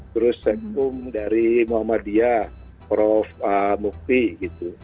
terus seksum dari muhammadiyah prof mukti gitu